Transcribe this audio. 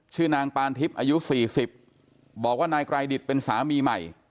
ชื่อนางปานทิพย์อายุ๔๐บอกว่านายไกรดิตเป็นสามีใหม่